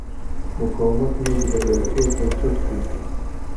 مقاومت مې د بریالیتوب بنسټ دی.